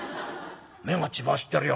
目が血走ってるよ。